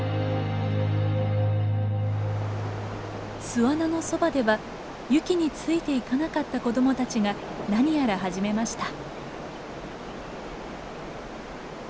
巣穴のそばではユキについて行かなかった子どもたちが何やら始めました。